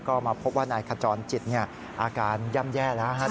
ก็มาพบว่านายขจรจิตอาการย่ำแย่แล้วครับ